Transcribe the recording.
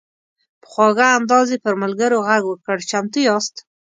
په خواږه انداز یې پر ملګرو غږ وکړ: "چمتو یاست؟"